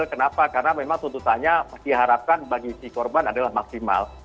kenapa karena memang tuntutannya diharapkan bagi si korban adalah maksimal